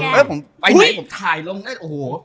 หรือรู้พี่รู้พี่รู้